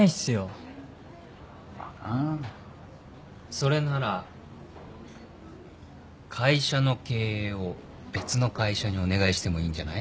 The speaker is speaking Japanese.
・それなら会社の経営を別の会社にお願いしてもいいんじゃない。